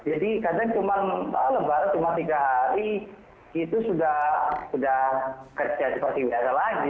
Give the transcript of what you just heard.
jadi kadang cuma lebaran cuma tiga hari itu sudah kerja seperti biasa lagi